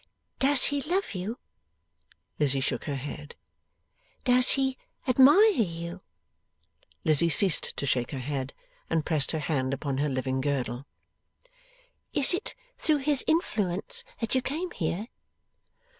'Does he love you?' Lizzie shook her head. 'Does he admire you?' Lizzie ceased to shake her head, and pressed her hand upon her living girdle. 'Is it through his influence that you came here?